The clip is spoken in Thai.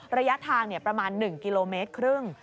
ระยะทางประมาณ๑กิโลเมตรครึ่ง